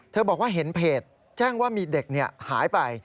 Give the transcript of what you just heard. บอกว่าเห็นเพจแจ้งว่ามีเด็กหายไป